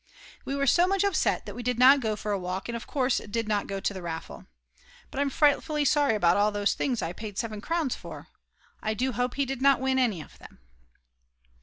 We were so much upset that we did not go for a walk, and of course did not go to the raffle. But I'm frightfully sorry about those things I paid 7 crowns for. I do hope he did not win any of them.